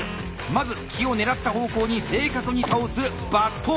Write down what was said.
まず木を狙った方向に正確に倒す伐倒。